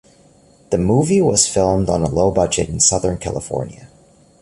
The movie was filmed on a low budget in Southern California.